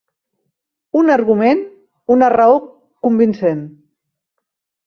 Un argument, una raó, convincent.